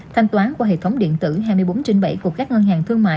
thanh toán qua hệ thống điện tử hai mươi bốn trên bảy của các ngân hàng thương mại